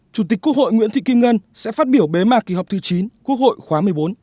chủ tịch quốc hội nguyễn thị kim ngân sẽ phát biểu bế mạc kỳ họp thứ chín quốc hội khóa một mươi bốn